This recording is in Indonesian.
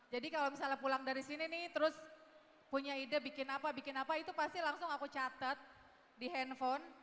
jadi kalau misalnya pulang dari sini nih terus punya ide bikin apa bikin apa itu pasti langsung aku catet di handphone